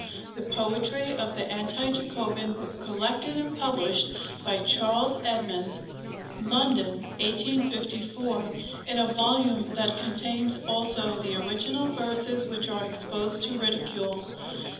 The poetry of the Anti Jacobin was collected and published by Charles Edmonds (London, 1854), in a volume that contains also the original verses which are exposed to ridicule.